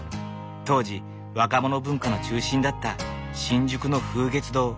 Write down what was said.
当時若者文化の中心だった新宿の風月堂。